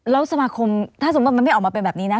แล้วสมาคมถ้าสมมุติมันไม่ออกมาเป็นแบบนี้นะ